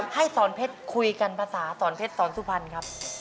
ให้สอนเพชรคุยกันภาษาสอนเพชรสอนสุพรรณครับ